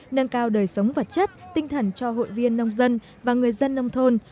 nâng cao đời sống vật chất tinh thần cho hội viên nông dân và người dân nông thôn